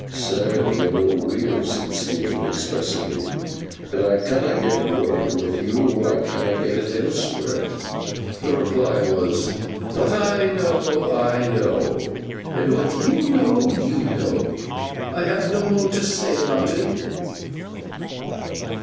'Sir, yo know weel,' said Stephen expressively, 'that if I canna get work wi' yo, I canna get it elsewheer.' The reply was, 'What I know, I know; and what you know, you know. I have no more to say about it.